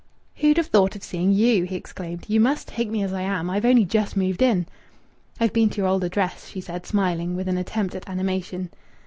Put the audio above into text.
"Who'd have thought of seeing you?" he exclaimed. "You must take me as I am. I've only just moved in." "I've been to your old address," she said, smiling, with an attempt at animation.